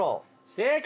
正解！